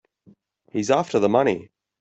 He's after the money.